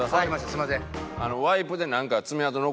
すみません。